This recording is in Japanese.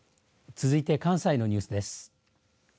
続いて関西のニュースです。